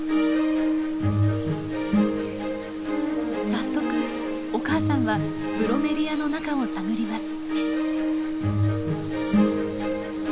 早速お母さんはブロメリアの中を探ります。